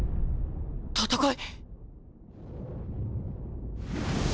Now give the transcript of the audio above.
戦い？